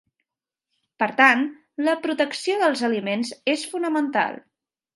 Per tant, la protecció dels aliments és fonamental.